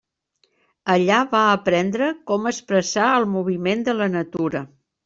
Allà va aprendre com expressar el moviment de la natura.